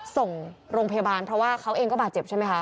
ส่งโรงพยาบาลเพราะว่าเขาเองก็บาดเจ็บใช่ไหมคะ